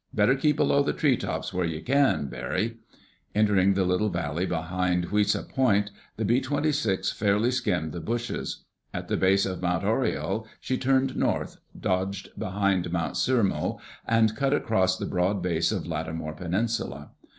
Better keep below the treetops where you can, Barry." Entering the little valley behind Hauisa Point, the B 26 fairly skimmed the bushes. At the base of Mt. Horiel she turned north, dodged behind Mt. Sirimau and cut across the broad base of Latimore Peninsula.